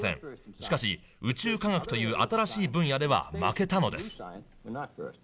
しかし宇宙科学という新しい分野では負けたのです」。